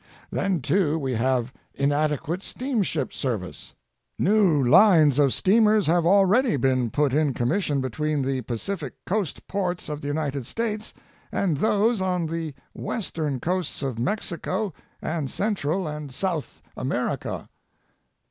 Then, too, we have inadequate steamship service. New lines of steamers have already been put in commission between the Pacific coast ports of the United States and those on the western coasts of Mexico and Central and South io Last Speech of William McKinley. America.